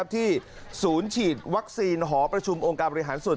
ที่ศูนย์ฉีดวัคซีนหอประชุมองค์การบริหารส่วน